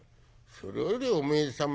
「それよりおめえ様